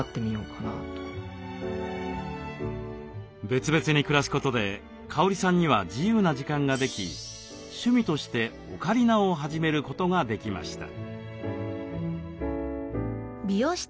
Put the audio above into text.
別々に暮らすことで香里さんには自由な時間ができ趣味としてオカリナを始めることができました。